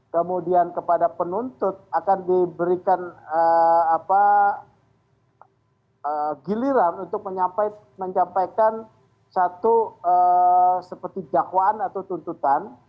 kemudian kepada penuntut akan diberikan giliran untuk menyampaikan satu seperti dakwaan atau tuntutan